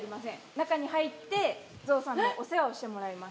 中に入って、ゾウさんのお世話をしてもらいます。